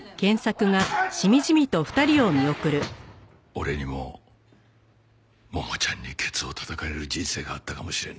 俺にも桃ちゃんにケツをたたかれる人生があったかもしれんな。